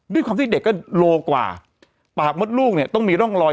ด้วยความที่เด็กก็โลกว่าปากมดลูกเนี่ยต้องมีร่องรอย